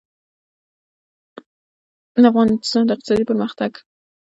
د افغانستان د اقتصادي پرمختګ لپاره پکار ده چې لونګۍ وتړل شي.